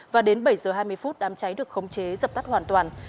và đến bảy giờ hai mươi phút đám cháy được khống chế dập tắt hoàn toàn